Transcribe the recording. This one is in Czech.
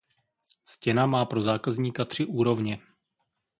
Stěna má pro zákazníka tři úrovně.